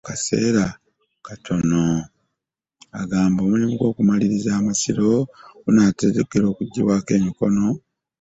Agamba omulimu gw'okumaliriza amasiro gunaatera okuggyibwako emikono mu kaseera katono.